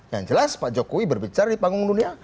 yang jelas pak jokowi berbicara di panggung dunia